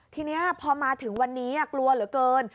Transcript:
ทีนี้พอมาถึงวันนี้กลัวเหลือเกิน